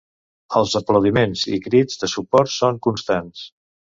Els aplaudiments i crits de suport són constants.